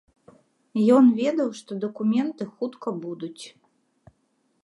Ён ведаў, што дакументы хутка будуць.